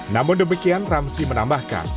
namun demikian ramsy menambahkan